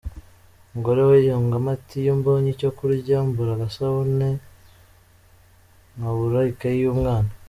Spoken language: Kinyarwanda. Umugore we yungamo ati “Iyo mbonye icyo kurya mbura agasabune, nkabura ikayi y’umwana.